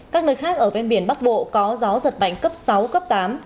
các nơi khác ở bên biển bắc bộ có gió giật mạnh cấp sáu cấp tám